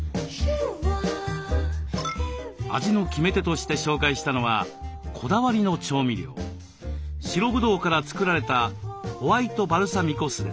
味の決め手として紹介したのはこだわりの調味料白ブドウから作られたホワイトバルサミコ酢です。